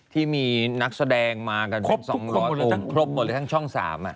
ที่มีนักแสดงมากัน๒๐๐คนครบหมดเลยทั้งช่อง๓